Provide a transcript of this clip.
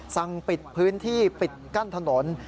สั่งปิดพื้นที่ปิดกั้นถนน